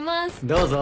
どうぞ。